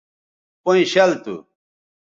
پئیں شَل تھو